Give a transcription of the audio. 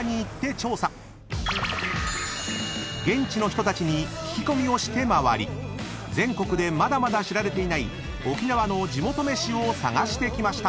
［現地の人たちに聞き込みをして回り全国でまだまだ知られていない沖縄の地元飯を探してきました］